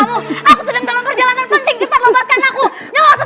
aku sedang dalam perjalanan penting